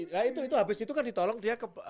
nah itu habis itu kan ditolong dia ke ruang ganti itu